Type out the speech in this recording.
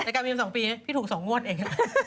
ในการมีม๒ปีพี่ถูก๒งวดเอง